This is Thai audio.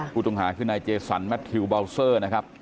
คุณตรงหาคือนายเจสันแมทธิวบาวเซอร์นะครับ